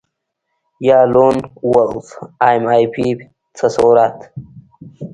یا لون وولف ایم آی پي تصورات